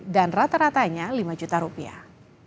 dan rata ratanya dua puluh lima juta rupiah